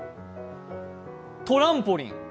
トランポリン？